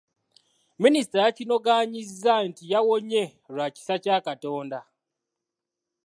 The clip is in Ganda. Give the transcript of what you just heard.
Minisita yakinogaanyizza nti yawonye lwa kisa kya Katonda.